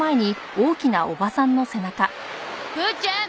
父ちゃん